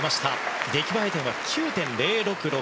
出来栄え点は９．０６６。